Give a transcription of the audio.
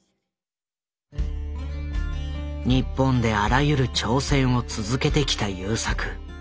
日本であらゆる挑戦を続けてきた優作。